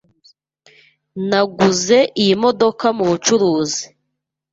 Naguze iyi modoka mubucuruzi.